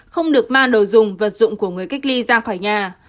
không được mang đồ dùng vật dụng của người cách ly ra khỏi nhà